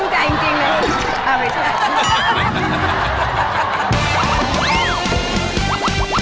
ชุ่มใจจริงเลย